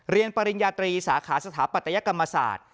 ปริญญาตรีสาขาสถาปัตยกรรมศาสตร์